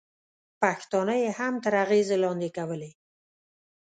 پښتانه یې هم تر اغېزې لاندې کولای.